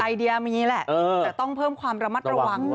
ไอเดียมีแหละแต่ต้องเพิ่มความระมัดระวัง